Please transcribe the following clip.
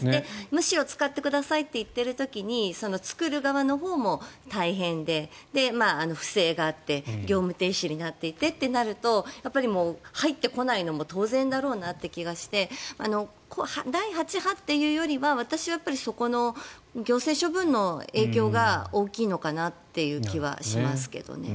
むしろ使ってくださいと言っている時に作る側のほうも大変で不正があって業務停止になっていてとなると入ってこないのも当然だろうって気もして第８波というよりは私はやっぱりそこの行政処分の影響が大きいのかなという気はしますけどね。